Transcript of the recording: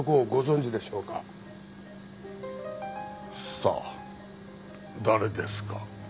さあ誰ですか？